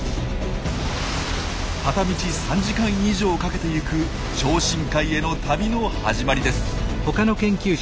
片道３時間以上かけて行く超深海への旅の始まりです。